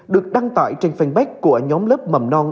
được đăng tải trên fanpage của nhóm lớp mầm non